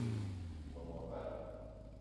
Me kon wo vala